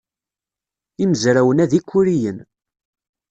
Imezrawen-a d ikuriyen.